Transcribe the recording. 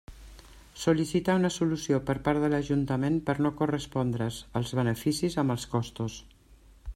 Sol·licita una solució per part de l'Ajuntament per no correspondre's els beneficis amb els costos.